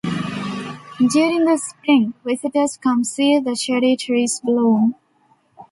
During the spring, visitors come see the cherry trees bloom.